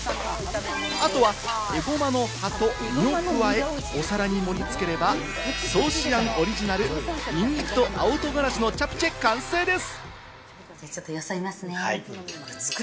あとはエゴマの葉と実を加え、お皿に盛り付ければ、草思庵オリジナル、ニンニクと青唐辛子のチャプチェ完成です。